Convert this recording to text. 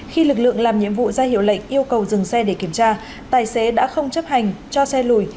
khi lực lượng làm nhiệm vụ ra hiệu lệnh yêu cầu dừng xe để kiểm tra tài xế đã không chấp hành cho xe lùi